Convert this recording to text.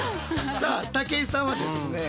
さあ武井さんはですね